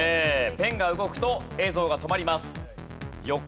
ペンが動くと映像が止まります。